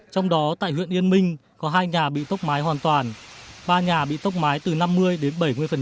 trong đó tại huyện yên minh có hai nhà bị tốc mái hoàn toàn ba nhà bị tốc mái từ năm mươi đến bảy mươi